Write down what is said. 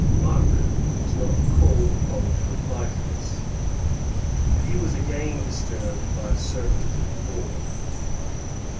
Mark was not called upon to reply to this, for he was again disturbed by a servant at the door.